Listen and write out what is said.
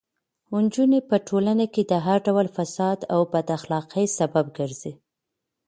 نجونې په ټولنه کې د هر ډول فساد او بد اخلاقۍ سبب ګرځي.